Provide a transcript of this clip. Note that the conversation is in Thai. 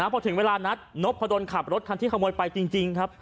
พอถึงเวลานัดนพพะดนขับรถทางที่ขโมยไปจริง